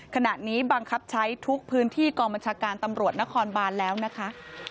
ขณะนี้บังคับใช้ทุกพื้นที่กองบัญชาการตำรวจนครบานแล้วนะคะ